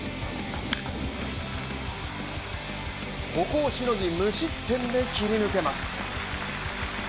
ここをしのぎ、無失点で切り抜けます。